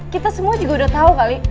kita semua juga udah tahu kali